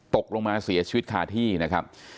ตกลงมาเสียชีวิตคาที่นะครับ